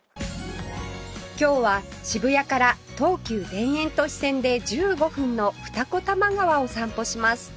今日は渋谷から東急田園都市線で１５分の二子玉川を散歩します